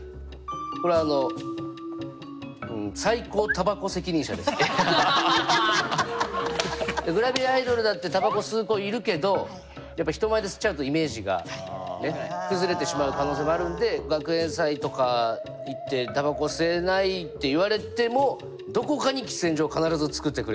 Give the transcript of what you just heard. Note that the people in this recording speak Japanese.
これはあのうんグラビアアイドルだってタバコ吸う子いるけどやっぱ人前で吸っちゃうとイメージが崩れてしまう可能性もあるんで学園祭とか行ってタバコ吸えないって言われてもどこかに喫煙所を必ず作ってくれる。